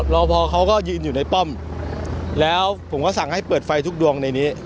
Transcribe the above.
รอพอเขาก็ยืนอยู่ในป้อมแล้วผมก็สั่งให้เปิดไฟทุกดวงในนี้